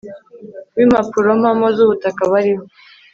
w impapurompamo z ubutaka bariho